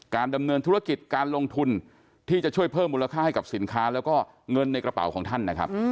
ดำเนินธุรกิจการลงทุนที่จะช่วยเพิ่มมูลค่าให้กับสินค้าแล้วก็เงินในกระเป๋าของท่านนะครับ